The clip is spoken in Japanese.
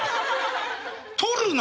取るな！